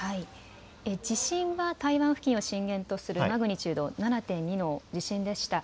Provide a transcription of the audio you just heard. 地震は台湾付近を震源とするマグニチュード７．２の地震でした。